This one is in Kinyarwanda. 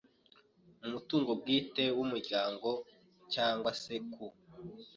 mutungo bwite w umuryango cyangwa se ku